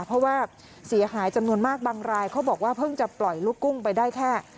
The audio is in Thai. เพราะว่าเสียหายจำนวนมากบางรายเขาบอกว่าเพิ่งจะปล่อยลูกกุ้งไปได้แค่